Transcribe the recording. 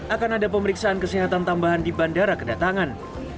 akan ada pemeriksaan kesehatan tambahan di bandara kedatangan